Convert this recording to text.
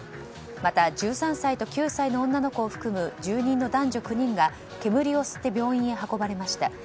また、１３歳と９歳の女の子を含む住人の男女９人が煙を吸って病院へ運ばれました。